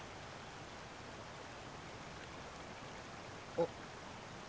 あっ。